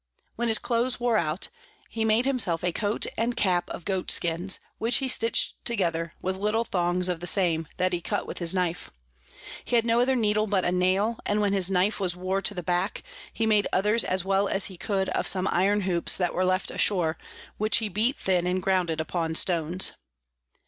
When his Clothes wore out, he made himself a Coat and Cap of Goat Skins, which he stitch'd together with little Thongs of the same, that he cut with his Knife. He had no other Needle but a Nail; and when his Knife was wore to the back, he made others as well as he could of some Iron Hoops that were left ashore, which he beat thin and ground upon Stones.